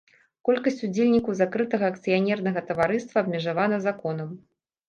Колькасць удзельнікаў закрытага акцыянернага таварыства абмежавана законам.